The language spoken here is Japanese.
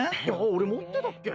俺持ってたっけ？